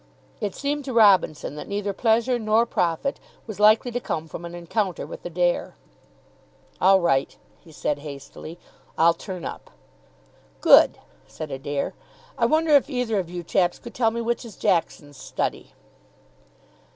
It seemed to Robinson that neither pleasure nor profit was likely to come from an encounter with Adair. "All right," he said hastily, "I'll turn up." "Good," said Adair. "I wonder if either of you chaps could tell me which is Jackson's study."